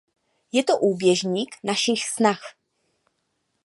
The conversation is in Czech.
To je úběžník našich snah.